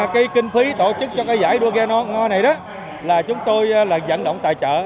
cái kinh phí tổ chức cho cái giải đua ghe ngo này đó là chúng tôi là dận động tài trợ